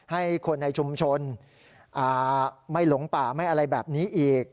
ให้คนในชุมชนไม่หลงป่าไม่อะไรแบบนี้อีก